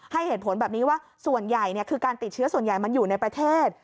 ให้เหตุผลแบบนี้ว่าส่วนใหญ่คือการติดเชื้อส่วนใหญ่มันอยู่ในประเทศ